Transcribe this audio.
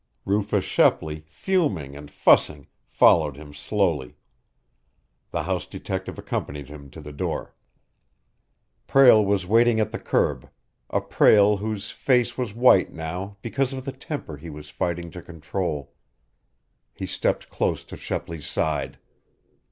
Rufus Shepley, fuming and fussing, followed him slowly. The house detective accompanied him to the door. Prale was waiting at the curb, a Prale whose face was white now because of the temper he was fighting to control. He stepped close to Shepley's side.